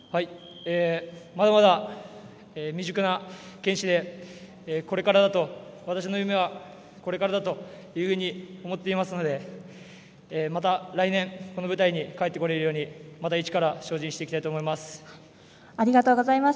まだまだ未熟な剣士で私の夢はこれからだというふうに思っておりますのでまた来年この舞台に帰ってこれるようにまた一から精進していきたいと思います。